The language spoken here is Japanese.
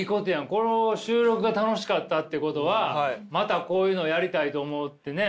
この収録が楽しかったっていうことはまたこういうのをやりたいと思ってね